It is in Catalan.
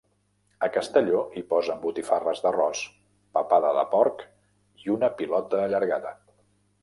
A Castelló hi posen botifarres d’arròs, papada de porc i una pilota allargada.